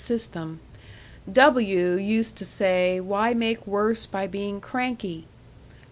system; W. used to say, why make worse by being cranky."